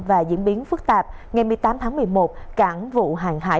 và diễn biến phức tạp ngày một mươi tám tháng một mươi một cảng vụ hàng hải